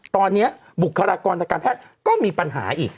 ตอนนี้บุคลากรทางการแพทย์ก็มีปัญหาอีก